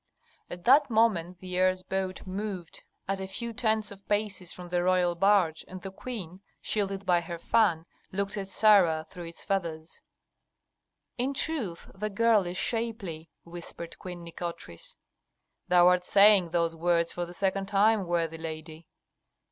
At that moment the heir's boat moved at a few tens of paces from the royal barge, and the queen, shielded by her fan, looked at Sarah through its feathers. "In truth the girl is shapely," whispered Queen Nikotris. "Thou art saying those words for the second time, worthy lady."